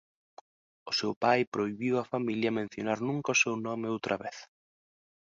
O seu pai prohibiu á familia mencionar nunca o seu nome outra vez.